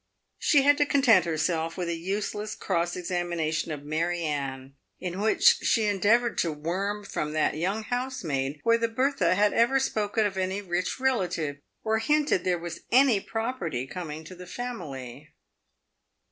She had to content herself with a useless cross exami nation of Mary Anne, in which she endeavoured to worm from that young housemaid whether Bertha had ever spoken of any rich rela tive, or hinted there was any property coming to the family.